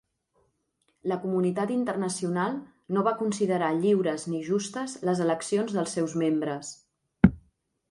La comunitat internacional no va considerar lliures ni justes les eleccions dels seus membres.